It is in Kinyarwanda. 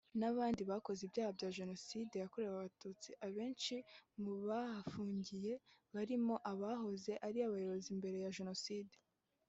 n’abandi bakoze ibyaha bya Jenocide yakorewe abatutsi abenshi mu bahafungiye barimo abahoze ari abayobozi mbere ya Jenoside